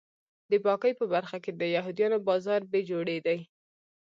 د پاکۍ په برخه کې د یهودیانو بازار بې جوړې دی.